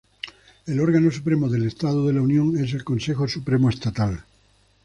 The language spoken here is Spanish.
El órgano supremo del Estado de la Unión es el Consejo Supremo Estatal.